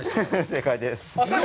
正解です！